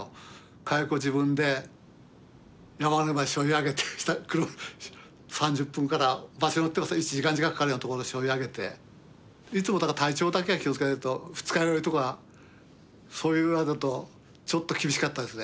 火薬を自分で山の上までしょい上げて３０分から場所によっては１時間近くかかるようなところしょい上げていつもだから体調だけは気をつけないと二日酔いとかそういうあれだとちょっと厳しかったですね。